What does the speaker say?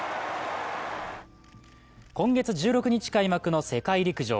今月１６日開幕の世界陸上。